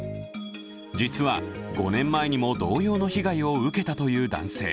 実は、５年前にも同様の被害を受けたという男性。